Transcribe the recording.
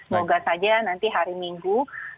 semoga saja nanti hari minggu